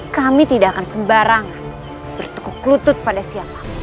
kami tidak akan sembarangan bertukuk lutut pada siapa